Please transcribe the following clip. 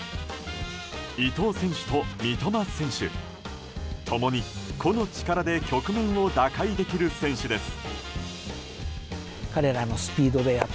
伊東選手と三笘選手ともに個の力で局面を打開できる選手です。